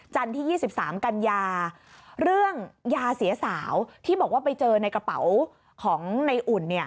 ที่๒๓กันยาเรื่องยาเสียสาวที่บอกว่าไปเจอในกระเป๋าของในอุ่น